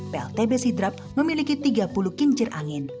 pltb sidrap memiliki tiga puluh kincir angin